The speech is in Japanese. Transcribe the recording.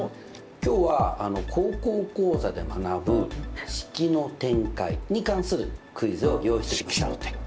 今日は「高校講座」で学ぶ式の展開に関するクイズを用意してきました！